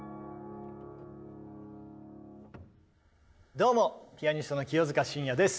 どうもピアニストの清塚信也です。